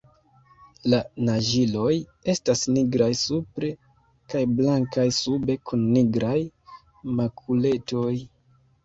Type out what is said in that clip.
La naĝiloj estas nigraj supre kaj blankaj sube kun nigraj makuletoj.